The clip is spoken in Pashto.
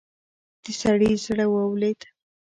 د سړي زړه ولوېد.